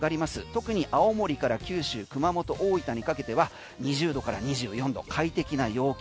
特に青森から九州、熊本、大分にかけては２０度から２４度快適な陽気。